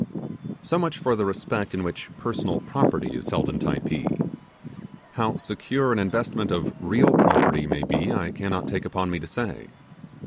So much for the respect in which 'personal property' is held in Typee; how secure an investment of 'real property' may be, I cannot take upon me to say.